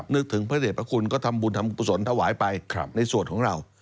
นึกถึงพระเด็จพระคุณก็ทำบุญทำกุศลถวายไปในส่วนของเรา